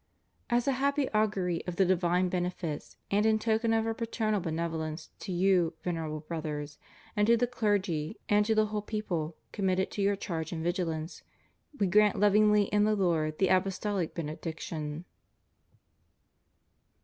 As a happy augury of the divine benefits, and in token of Our paternal benevolence, to you. Vener able Brothers, and to the clergy and to the whole people committed to your charge and vigilance, We grant lov ingly in the Lord the Apostolic Benediction.